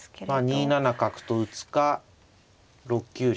２七角と打つか６九竜